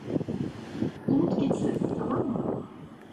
Unut gitsin, tamam mı?